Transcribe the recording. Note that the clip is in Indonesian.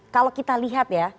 kalau kita lihat ya